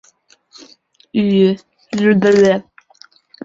与林堉琪育有三子一女。